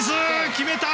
決めた！